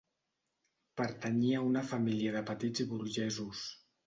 Pertanyia a una família de petits burgesos.